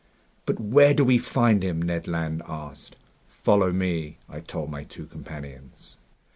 "But where do we find him?" Ned Land asked. "Follow me," I told my two companions.